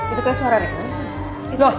itu kayak suara rena